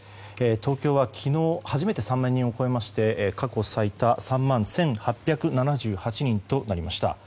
東京は昨日初めて３万人を超えまして過去最多３万１８７８人となりました。